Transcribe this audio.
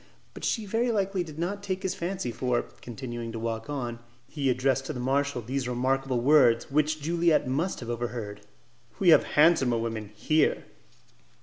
But she very likely did not take his fancy, for, continuing to walk on, he addressed to the marshal these remarkable words, which Juliette must have overheard, "We have handsomer women here."